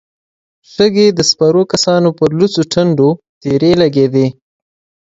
شګې د سپرو کسانو پر لوڅو ټنډو تېرې لګېدې.